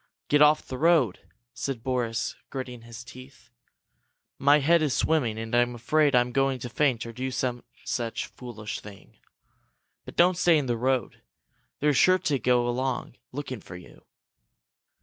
"Get off the road," said Boris, gritting his teeth. "My head is swimming, and I'm afraid I'm going to faint or do some such foolish thing! But don't stay in the road. They're sure to go along, looking for you."